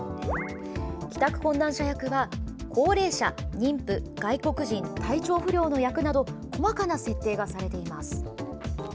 帰宅困難者役は高齢者、妊婦、外国人体調不良の役など細かな設定がされています。